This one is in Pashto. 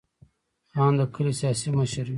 خان د کلي سیاسي مشر وي.